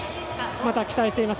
また期待してます。